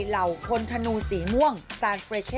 เหล่าคนธนูสีม่วงซารฟเรเชศฮิโรชิมา